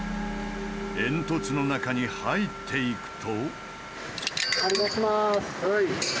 煙突の中に入っていくと。